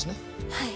はい。